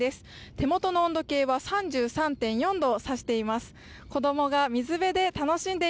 手元の温度計は３３．４度を指しています。